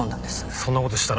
そんな事したら。